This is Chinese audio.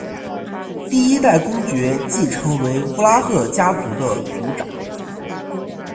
第一代公爵即成为乌拉赫家族的族长。